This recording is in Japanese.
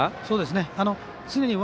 そうですね。